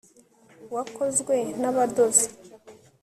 wakozwe n'abadozi